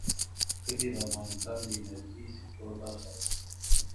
کلي د افغانستان د انرژۍ سکتور برخه ده.